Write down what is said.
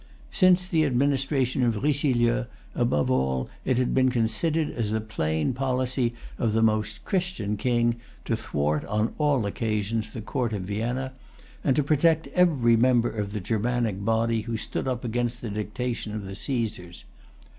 Since the administration of Richelieu, above all, it had been considered as the plain policy[Pg 295] of the Most Christian King to thwart on all occasions the Court of Vienna, and to protect every member of the Germanic body who stood up against the dictation of the Cæsars.